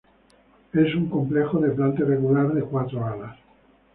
Es un complejo de planta irregular de cuatro alas.